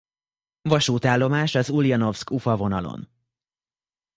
Vasútállomás az Uljanovszk–Ufa vonalon.